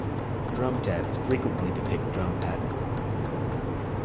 Drum tabs frequenctly depict drum patterns.